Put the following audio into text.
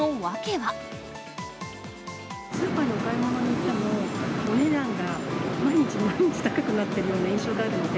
スーパーにお買い物に行っても、お値段が毎日毎日高くなっているような印象があるので。